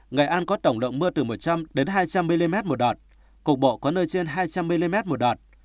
ngày an có tổng lượng mưa từ một trăm linh đến hai trăm linh mm một đoạn cục bộ có nơi trên hai trăm linh mm một đoạn